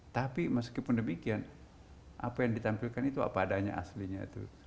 tapi meskipun demikian apa yang ditampilkan itu apa adanya aslinya itu